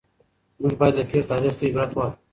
موږ باید له تېر تاریخ څخه عبرت واخلو.